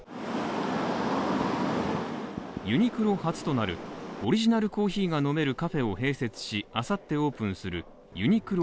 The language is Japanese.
ユニクロ初となるオリジナルコーヒーが飲めるカフェを併設し、あさってオープンするユニクロ